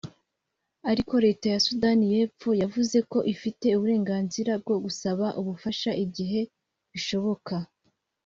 Ariko leta ya Sudan y’epfo yavuze ko ifite uburenganzira bwo gusaba ubufasha igihe bishoboka